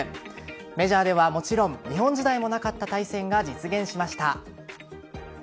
メジャーではもちろん日本時代もなかった対戦が実現しました。